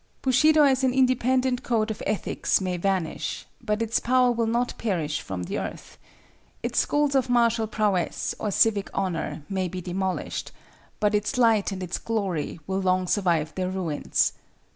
Bushido as an independent code of ethics may vanish, but its power will not perish from the earth; its schools of martial prowess or civic honor may be demolished, but its light and its glory will long survive their ruins.